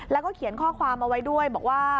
แล้วก็เขียนข้อความเอาไว้ด้วยบอกว่า